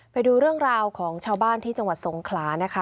ไปดูเรื่องราวของชาวบ้านที่จังหวัดสงขลานะคะ